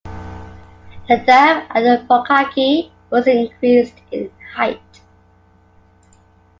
The dam at Pukaki was increased in height.